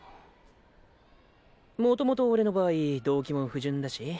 元々俺の場合動機も不純だし。